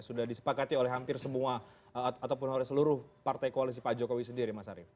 sudah disepakati oleh hampir semua ataupun oleh seluruh partai koalisi pak jokowi sendiri mas arief